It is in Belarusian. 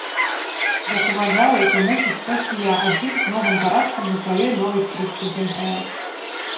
Як уважаю, то, мусіць, толькі я адзін новым парадкам на сваёй новай скрыпцы зайграю.